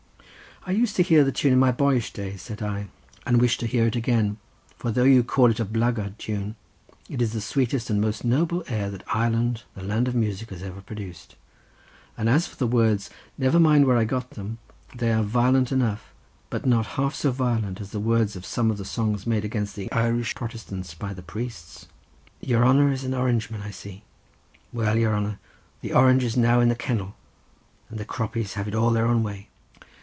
"I used to hear the tune in my boyish days," said I, "and wished to hear it again, for though you call it a blackguard tune, it is the sweetest and most noble air that Ireland, the land of music, has ever produced. As for the words, never mind where I got them; they are violent enough, but not half so violent as the words of some of the songs made against the Irish Protestants by the priests." "Your hanner is an Orange man, I see. Well, your hanner, the Orange is now in the kennel, and the Croppies have it all their own way."